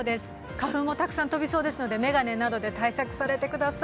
花粉もたくさん飛びそうですので眼鏡などで対策してください。